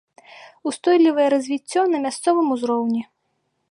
Устойлівае развіццё на мясцовым узроўні.